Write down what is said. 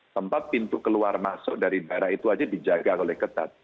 tempat pintu keluar masuk dari daerah itu aja dijaga oleh ketat